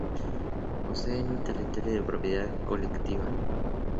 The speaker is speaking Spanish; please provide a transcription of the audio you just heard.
Poseen un territorio de propiedad colectiva.